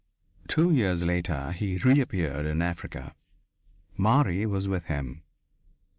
Two years later he reappeared in Africa. Marie was with him.